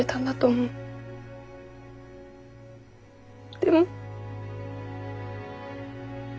でも。